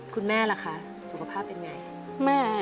คุณแม่ล่ะคะสุขภาพเป็นไง